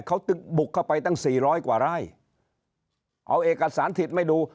เขาบุกเข้าไปตั้งสี่ร้อยกว่าไร่เอาเอกสารผิดไม่ดู